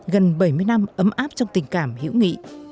gần bảy mươi năm ấm áp trong tình cảm hữu nghị